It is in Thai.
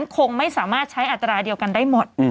คงไม่สามารถใช้อัตราเดียวกันได้หมด